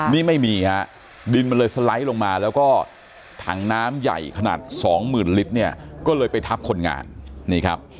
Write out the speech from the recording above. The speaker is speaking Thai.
นี่ไม่มีฮะดินมันเลยสไลด์ลงมาแล้วก็ถังน้ำใหญ่ขนาดสองหมื่นลิตรเนี่ยก็เลยไปทับคนงานนี่ครับ